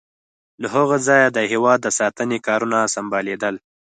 له هغه ځایه د هېواد د ساتنې کارونه سمبالیدل.